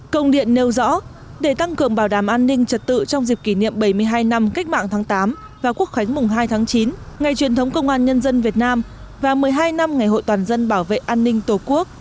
công điện nêu rõ để tăng cường bảo đảm an ninh trật tự trong dịp kỷ niệm bảy mươi hai năm cách mạng tháng tám và quốc khánh mùng hai tháng chín ngày truyền thống công an nhân dân việt nam và một mươi hai năm ngày hội toàn dân bảo vệ an ninh tổ quốc